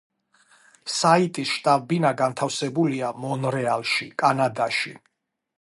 საიტის შტაბ-ბინა განთავსებულია მონრეალში, კანადაში.